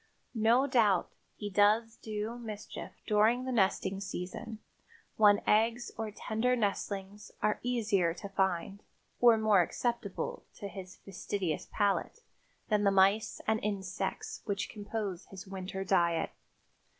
No doubt he does do mischief during the nesting season, when eggs or tender nestlings are easier to find or more acceptable to his fastidious palate than the mice and insects which compose his winter diet.